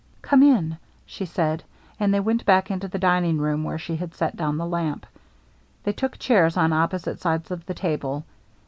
" Come in," she said. And they went back into the dining room, where she had set down the lamp. They took chairs on opposite sides of the table.